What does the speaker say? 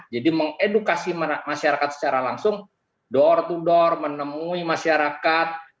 jadi mengedukasi masyarakat secara langsung door to door menemui masyarakat